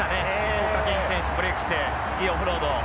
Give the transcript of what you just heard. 福岡堅樹選手ブレークしていいオフロード。